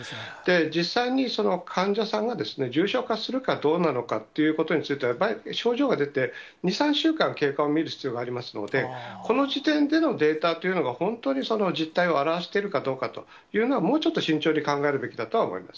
実際にその患者さんが重症化するかどうなのかってことについては、症状が出て２、３週間経過を見る必要がありますので、この時点でのデータというのが、本当に実態を表しているかどうかというのは、もうちょっと慎重に考えるべきだとは思います。